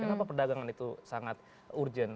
kenapa perdagangan itu sangat urgent